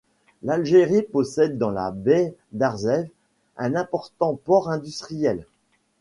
L’Algérie possède dans la baie d'Arzew un important port industriel.